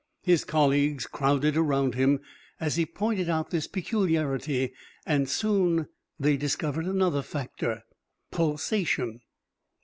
His colleagues crowded around him as he pointed out this peculiarity, and soon they discovered another factor pulsation!